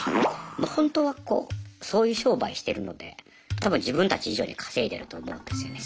本当はこうそういう商売してるので多分自分たち以上に稼いでると思うんですよね。